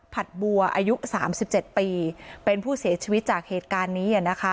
บัวอายุ๓๗ปีเป็นผู้เสียชีวิตจากเหตุการณ์นี้